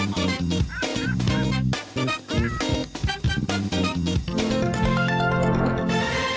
สวัสดีครับคุณผู้ชมครับ